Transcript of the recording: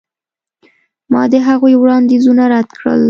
ما د هغوی وړاندیزونه رد کړل.